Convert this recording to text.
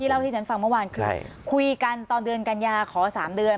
ที่เล่าให้เดือนฟังเมื่อวานใช่คุยกันตอนเดือนกันยาขอสามเดือน